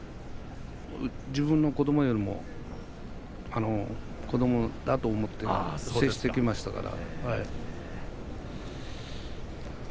自分の子どもよりも子どもだと思って接してきましたから。